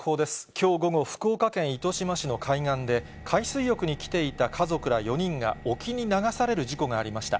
きょう午後、福岡県糸島市の海岸で、海水浴に来ていた家族ら４人が沖に流される事故がありました。